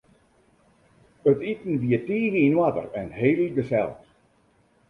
It iten wie tige yn oarder en heel gesellich.